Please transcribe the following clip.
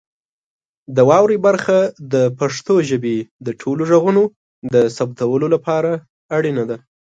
د واورئ برخه د پښتو ژبې د ټولو غږونو د ثبتولو لپاره اړینه ده.